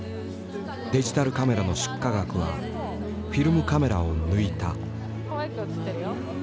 デジタルカメラの出荷額はフィルムカメラを抜いた。